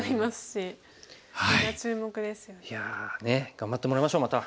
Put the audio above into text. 頑張ってもらいましょうまた。